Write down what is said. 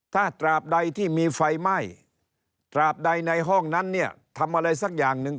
ถ้าตราบใดที่มีไฟไหม้ตราบใดในห้องนั้นเนี่ยทำอะไรสักอย่างหนึ่ง